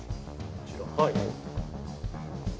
こちらはい。